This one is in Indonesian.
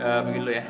begini dulu ya